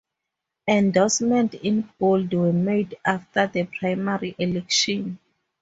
Endorsements in bold were made after the primary election.